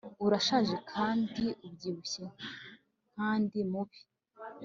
urashaje kandi ubyibushye kandi mubi